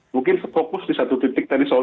mungkin fokus di satu titik tadi soal